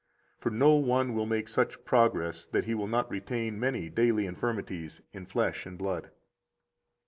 60 For no one will make such progress that he will not retain many daily infirmities in flesh and blood.